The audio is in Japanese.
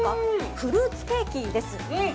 フルーツケーキです。